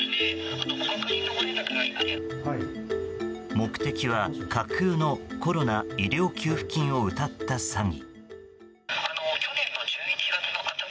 目的は架空のコロナ医療給付金をうたった詐欺。